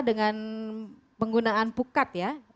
dengan penggunaan pukat ya